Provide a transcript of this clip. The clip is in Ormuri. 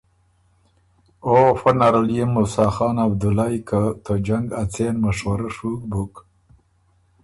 او فۀ نرل يې موسیٰ خان عبدُلئ که ته جنګ ا څېن مشورۀ ڒُوک بُک